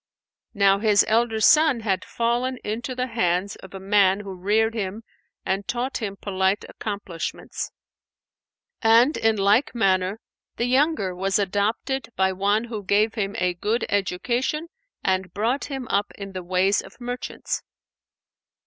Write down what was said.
Now his elder son had fallen into the hands of a man who reared him and taught him polite accomplishments; and, in like manner, the younger was adopted by one who gave him a good education and brought him up in the ways of merchants.